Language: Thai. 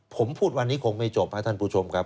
ผมพูดวันนี้คงไม่จบครับท่านผู้ชมครับ